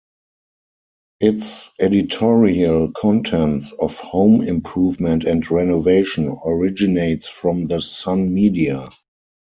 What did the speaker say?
Its editorial contents of home improvement and renovation originates from the Sun Media.